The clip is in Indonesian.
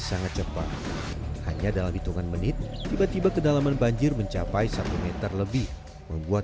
sangat cepat hanya dalam hitungan menit tiba tiba kedalaman banjir mencapai satu meter lebih membuat